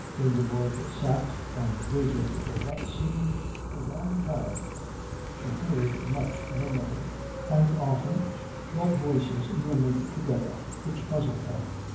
Ingeborg sat and waited for what seemed a long time. She heard much murmuring, and often both voices murmured together, which puzzled her.